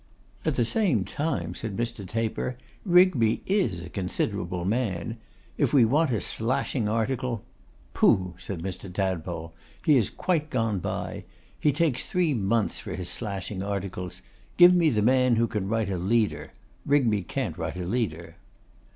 'At the same time,' said Mr. Taper, 'Rigby is a considerable man. If we want a slashing article ' 'Pooh!' said Mr. Tadpole. 'He is quite gone by. He takes three months for his slashing articles. Give me the man who can write a leader. Rigby can't write a leader.